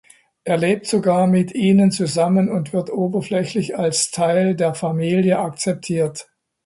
Er lebt sogar mit ihnen zusammen und wird oberflächlich als Teil der „Familie“ akzeptiert.